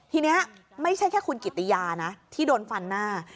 ทีนี้ไม่ใช่แค่คุณกิติยานะที่โดนฟันหน้า